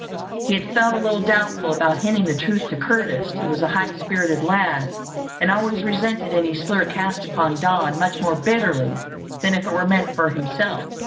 He had felt a little doubtful about hinting the truth to Curtis, who was a high spirited lad and always resented any slur cast upon Don much more bitterly than if it were meant for himself.